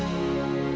sampai jumpa lagi